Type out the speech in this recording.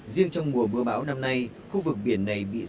riêng trong mùa mưa bão năm nay khu vực biển này bị sạch